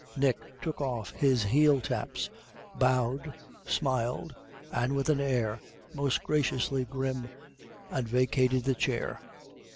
Nick took off his heel taps bowed smiled with an air Most graciously grim, and vacated the chair.